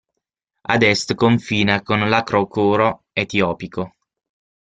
Ad est confina con l'acrocoro etiopico.